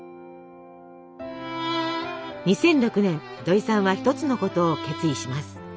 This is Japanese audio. ２００６年どいさんは一つのことを決意します。